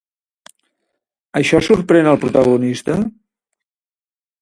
Això sorprèn el protagonista?